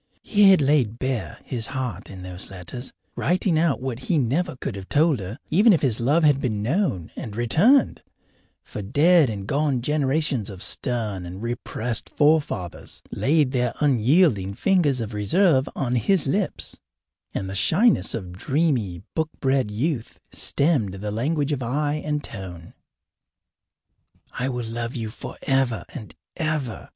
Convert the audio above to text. He had laid bare his heart in those letters, writing out what he never could have told her, even if his love had been known and returned, for dead and gone generations of stern and repressed forefathers laid their unyielding fingers of reserve on his lips, and the shyness of dreamy, book bred youth stemmed the language of eye and tone. I will love you forever and ever.